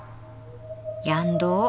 やんどお。